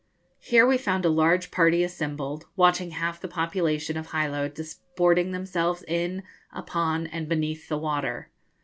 Here we found a large party assembled, watching half the population of Hilo disporting themselves in, upon, and beneath the water.